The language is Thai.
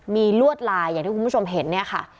มีลวดลายอย่างที่คุณผู้ชมเห็นเนี่ยค่ะ